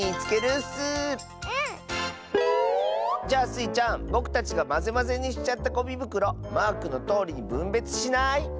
じゃあスイちゃんぼくたちがまぜまぜにしちゃったゴミぶくろマークのとおりにぶんべつしない？